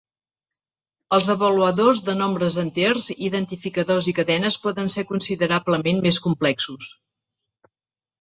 Els avaluadors de nombres enters, identificadors i cadenes poden ser considerablement més complexos.